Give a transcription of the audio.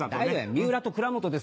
三浦と倉本です